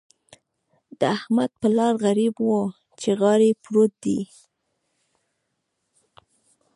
د احمد پلار غريب وچې غاړې پروت دی.